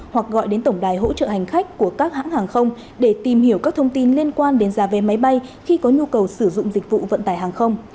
hoặc gọi đến tổng đài hỗ trợ hành khách của các hãng hàng không để tìm hiểu các thông tin liên quan đến giá vé máy bay khi có nhu cầu sử dụng dịch vụ vận tải hàng không